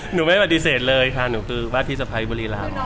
หนูไม่ปฏิเสธเลยค่ะหนูคือบ้านพิสรภัยบริราณ